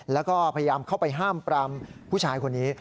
แล้วก็พยายามเข้าไปห้ามปรามผู้ชายคนนี้